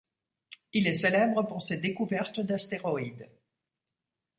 Il est célèbre pour ses découvertes d'astéroïdes.